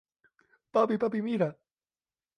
¡ papi! ¡ papi, mira!